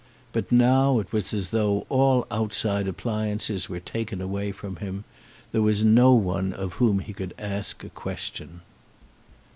But now it was as though all outside appliances were taken away from him. There was no one of whom he could ask a question.